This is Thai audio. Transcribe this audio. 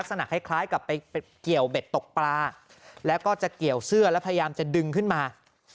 ลักษณะคล้ายกับไปเกี่ยวเบ็ดตกปลาแล้วก็จะเกี่ยวเสื้อแล้วพยายามจะดึงขึ้นมา